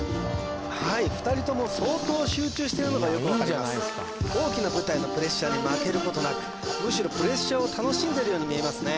はい２人とも相当集中してるのがよく分かります大きな舞台のプレッシャーに負けることなくむしろプレッシャーを楽しんでるように見えますね